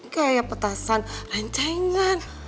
kayak petasan renceng kan